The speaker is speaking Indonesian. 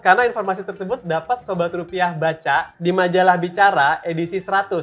karena informasi tersebut dapat sobat rupiah baca di majalah bicara edisi seratus